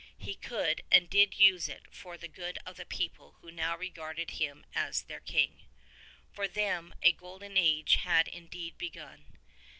He could and did use it for the good of the people who now regarded him as their King. For them a Golden Age had indeed begun.